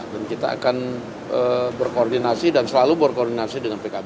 dan kita akan berkoordinasi dan selalu berkoordinasi dengan pkb